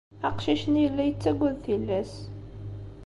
Aqcic-nni yella yettaggad tillas.